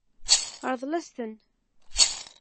Ṛḍel-as-ten.